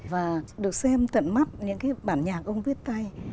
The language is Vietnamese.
và được xem tận mắt những cái bản nhạc ông viết tay